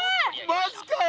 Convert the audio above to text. マジかよ！